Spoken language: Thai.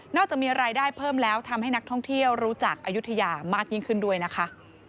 จากมีรายได้เพิ่มแล้วทำให้นักท่องเที่ยวรู้จักอายุทยามากยิ่งขึ้นด้วยนะคะ